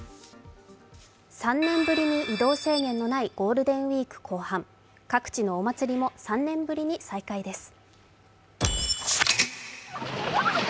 ３年ぶりに移動制限のないゴールデンウイーク後半、各地のお祭りも３年ぶりに再開です